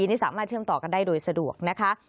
นี่สามารถเชื่อมต่อกันได้โดยสะดวกนะคะ